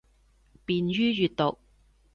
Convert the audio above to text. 便于阅读